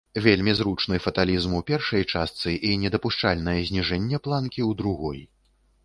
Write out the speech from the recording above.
Вельмі зручны фаталізм у першай частцы і недапушчальнае зніжэнне планкі ў другой.